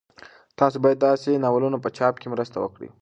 تاسو باید د داسې ناولونو په چاپ کې مرسته وکړئ.